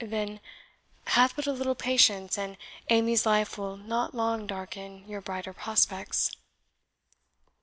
Then have but a little patience, and Amy's life will not long darken your brighter prospects."